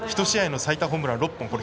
１試合の最多ホームラン６本。